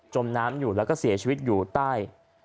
มน้ำอยู่แล้วก็เสียชีวิตอยู่ใต้